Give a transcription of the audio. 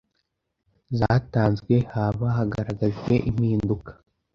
zatanzwe haba hagaragajwe impinduka